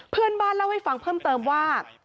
เพื่อนบ้านเล่าให้ฟังเพิ่มเติมว่า